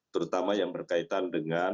terutama yang berkaitan dengan